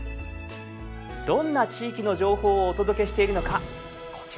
どんな地域の情報をお届けしているのかこちらをご覧下さい。